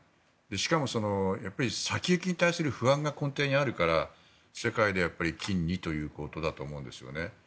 しかも、先行きに対する不安が根底にあるから世界で金にということだと思うんですよね。